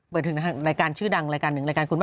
ถึงรายการชื่อดังรายการหนึ่งรายการคุณแม่